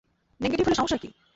Negative হলে সমস্যা কী?